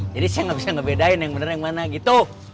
jadi saya gak bisa ngebedain yang bener yang mana gitu